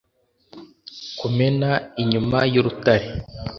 kumena inyuma y’urutare